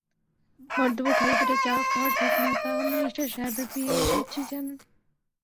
ভর-দুপুরে খালিপেটে চা খাওয়া ঠিক না, তা মিনিস্টার সাহেবের পি এ নিশ্চয়ই জানেন।